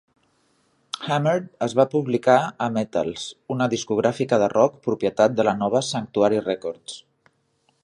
"Hammered" es va publicar a Metal-Is, una discogràfica de rock propietat de la nova Sanctuary Records.